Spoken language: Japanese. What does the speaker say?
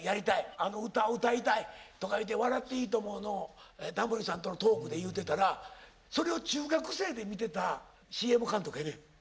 「あの歌を歌いたい」とかいうて「笑っていいとも！」のタモリさんとのトークで言うてたらそれを中学生で見てたＣＭ監督がいて。